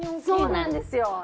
そうなんですよ。